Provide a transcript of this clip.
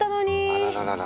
あらららら。